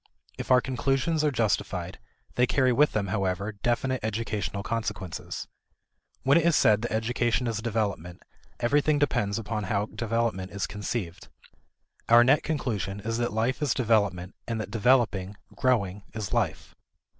If our conclusions are justified, they carry with them, however, definite educational consequences. When it is said that education is development, everything depends upon how development is conceived. Our net conclusion is that life is development, and that developing, growing, is life.